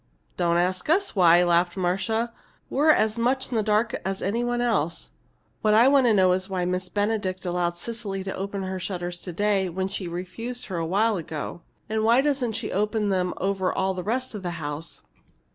"Don't ask us why," laughed Marcia. "We're as much in the dark as any one else. What I want to know is why did Miss Benedict allow Cecily to open her shutters to day when she refused her a while ago. And why doesn't she open them over all the rest of the house?"